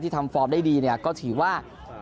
ทำฟอร์มได้ดีเนี่ยก็ถือว่า